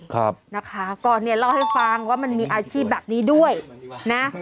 ครับนะคะก็เนี่ยเล่าให้ฟังว่ามันมีอาชีพแบบนี้ด้วยนะ